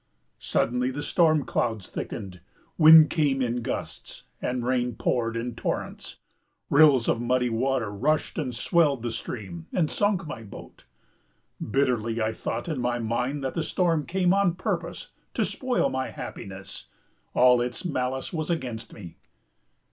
Suddenly the storm clouds thickened, winds came in gusts, and rain poured in torrents. Rills of muddy water rushed and swelled the stream and sunk my boat. Bitterly I thought in my mind that the storm came on purpose to spoil my happiness; all its malice was against me.